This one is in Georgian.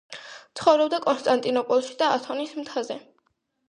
ცხოვრობდა კონსტანტინოპოლში და ათონის მთაზე.